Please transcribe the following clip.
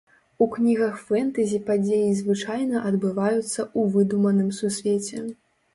У кнігах фэнтэзі падзеі звычайна адбываюцца ў выдуманым сусвеце.